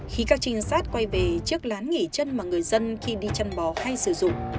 khi các trinh sát quay về chiếc lán nghỉ chân mà người dân khi đi chăn bò hay sử dụng